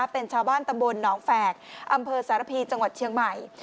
เป็นชาวบ้านตำบลหนองแฝกอำเภอสารพีจังหวัดเชียงใหม่